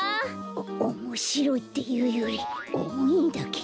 おおもしろいっていうよりおもいんだけど。